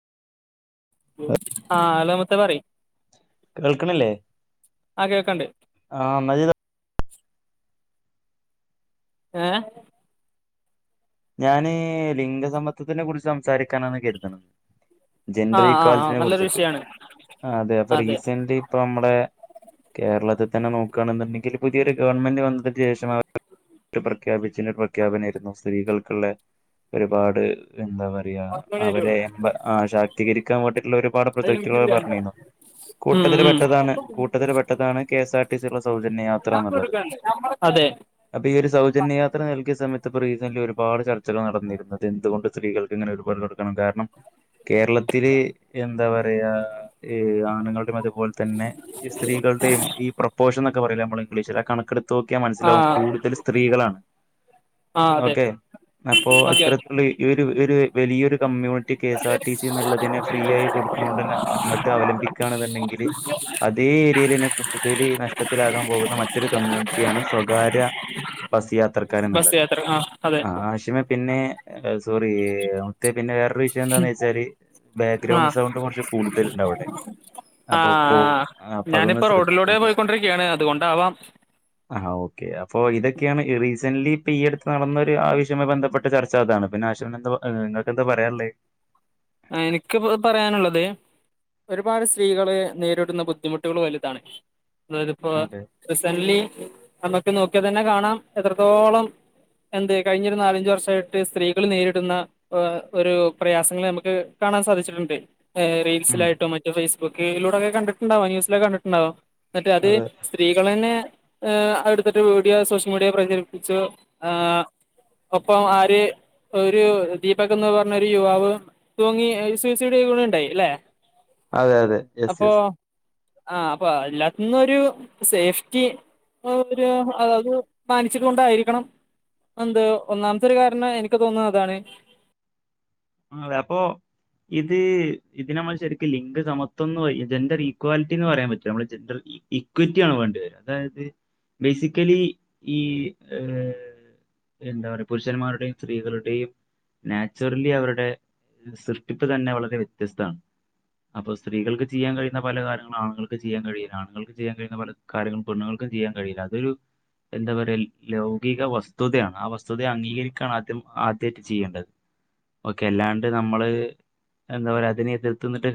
hello ഇത്ത പറി കേൾക്കണല്ലേ കേൾക്കണ്ട് ആഹ ഏ ഞാന് ലിംഗ സമത്വത്തിനെ കുറിച്ച് സംസാരിക്കാനാണ് കരുതുന്നത് ജെൻഡർ ആഹ് ഈ ആഹ് ആഹ് ക്വാലിറ്റിനെ നല്ലൊരു കുറിച്ചിട്ട് വിഷയാണ് ആ അതെ അപ്പൊ റീസന്റ്ലി ഇപ്പൊ നമ്മടെ കേരളത്തിൽ തന്നെ നോക്കുകയാണെന്നുണ്ടെങ്കിൽ പുതിയൊരു ഗവൺമെന്റ് വന്നതിന് ശേഷം അവ പ്രഖ്യാപിച്ചി പ്രഖ്യാപന ആയിരുന്നു സ്ത്രീകൾക്ക് ഒരുപാട് എന്താ പറയാ അവരെ എ ശാക്തീകരിക്കാൻ വേണ്ടിയിട്ടുള്ള ഒരുപാട് പ്രൊജക്തികൾ പറഞ്ഞുന്നു ഉം കൂട്ടത്തിൽ ഉം പെട്ടതാണ് കൂട്ടത്തിൽ പെട്ടതാണ് കെ എസ് ആർ ടി സിള്ള സൗജന്യ യാത്ര എന്നുള്ളത് അതെ അപ്പൊ ഈ ഒരു സൗജന്യ യാത്ര നൽകിയ സമയത്ത് റീസന്റ്റിലി ഒരുപാട് ചർച്ചകൾ നടന്നിരുന്നത് എന്തുകൊണ്ട് സ്ത്രീകൾക്ക് ഇങ്ങനെ ഒരുപാട് കൊടുക്കണം കാരണം കേരളത്തില് എന്താ പറയാ് ആണ്‌ങ്ങളുടെ മത അതുപോലെ തന്നെ ഈ സ്ത്രീകളുടെയും ഈ പ്രൊപ്പോഷൻ ഒെ പറയൽ നമ്മളെ ഇംഗ്ലീഷില കണക്കെടുത്ത് നോക്കിയാൽ മനസ്സിലാവും ആഹ് കൂടുതൽ സ്ത്രീകളാണ് ആഹ് അതെ ഓക്കെ അപ്പോ ഓക്കെ ഓക്കെ അത്തരത്തിലുള്ള വലിയൊരു community K S R T C എന്നുള്ളതിനെ ഫ്രീ ആയി കൊടുക്കണണ്ട് അങ്ങോട്ട് അവലംബിക്കുകയാണെന്നുണ്ടെങ്കിൽ അതേ ഏരിയയിൽെ കൂടുതൽ നഷ്ടത്തിലാകാൻ പോകുന്ന മറ്റൊരു കമ്മ്യൂണിറ്റിയാണ് സ്വകാര്യ ബസ്സ് യാത്ര ബസ് യാത്ര ആഹ അതെ ആഷിമേ പിന്നെ സോറി മത്ത പിന്നെ വേറെ വിഷയംന്താന്ന് വെച്ചാല് ആഹ് ബാക്ക്ഗ്രൗണ്ട് ആഹ് സൗണ്ട് കുറച്ച് കൂടു ഇണ്ട് അവിടെ അപ്പൊ കോ ആഹ് അപ്പൊ അതൊന്ന് ഞാനിപ്പോ റോഡിലൂടെ ശ്രദ്ധിച്ചോണ്ടോ പോയിക്കൊണ്ടിരിക്കുകയാണ് അതുകൊണ്ടാവാം ആ ഓക്കെ അപ്പൊ ഇതൊക്കെയാണ് റീസൺലി ഈ ഇപ്പ ടുത്ത് നടന്ന ആവശയുമായി ബന്ധപ്പെട്ട ചർച്ച അതാണ് പിന്നെ ആശവി എന്ത നിങ്ങൾക്ക് എന്താ പറയാനല്ലേ എനിക്ക് പറയാനുള്ളത് ഒരുപാട് സ്ത്രീകളെ നേരിടുന്ന ബുദ്ധിമുട്ടുകൾ വലുതാണ് അതിപ്പോ അതെ റീസൺലി നമുക്ക് നോക്കിയാൽ തന്നെ കാണാം എത്രത്തോളം എന്ത് കഴിഞ്ഞ ഒരു നാലഞ്ച വർഷമായിട്ട് സ്ത്രീകൾ നേരിടുന്ന ഒരു പ്രയാസങ്ങൾ നമുക്ക് കാണാൻ സാധിച്ചിട്ടുണ്ട് ഉം, റീൽസായിട്ടോ മറ്റ ഫേസ് ബുക്കിലൂടെക്കെ കണ്ടിട്ടുണ്ടാവ ന്യൂസിലൊ കണ്ടിട്ടുണ്ടാവും മറ്റേ അത് അതെ സ്ത്രീകൾന്നെ ഏ അടുത്തിട്ട വീഡിയോ സോഷ്യൽ മീഡിയൽ പ്രചരിപ്പിച്ചു ആ ഒപ്പം ആര് ഒരു ദീപക് എന്ന് പറഞ്ഞ ഒരു യുവാവ് തൂങ്ങി [unintelligible] ഉണ്ടായി അല്ലെ അതെ അതെ യെസ് യെസ് ആ അപ്പോ അല്ലാത്തിന്നു ഒരു സേഫ്റ്റി ഒരു അത് മാനിച്ചത് കൊണ്ടായിരിക്കണം എന്ത് ഒന്നാമത്തെ ഒരു കാരണം എനിക്ക് തോന്നുന്നത് അതാണ് ആ അതെ അപ്പോ ഇത് ഇതിന നമ്മൾ ശരിക്ക് ലിംഗ സമത്വം എന്ന് പറ ജെൻഡർ ഈക്വാലിറ്റി എന്ന് പറയാൻ പറ്റില്ല നമ്മള് ജെൻഡർ ഇക്വിറ്റി ആണ് വേണ്ടത് അതായത് ബേസിക്കലി ഈ ഏ എന്താ പറയാ പുരുഷന്മാരുടെയും സ്ത്രീകളുടെയും നാച്ചുറലി അവരു ടെ സൃഷ്ടിപ്പ് തന്നെ വളരെ വ്യത്യസ്താണ് അപ്പോ സ്ത്രീകൾക്ക് ചെയ്യാൻ കഴിയുന്ന പല കാര്യങ്ങളും ആണുങ്ങൾക്ക് ചെയ്യാൻ കഴിയില്ല ആണുങ്ങൾക്ക് ചെയ്യാൻ കഴിയുന്ന പല കാര്യങ്ങളും പെണ്ണുങ്ങൾക്ക് ചെയ്യാൻ കഴിയില്ല അതൊരു എന്താ പറയ ലൗകിക വസ്തുതയാണ് ആ വസ്തുതയെ അംഗീകരിക്കാണ് ആദ്യം ആദ്യയിട്ട് ചെയ്യേണ്ടത് ഓക്കെ അല്ലാണ്ട് നമ്മള് എന്താപറയ അതിനെ എതിർത്ത്ന്നിട്ട്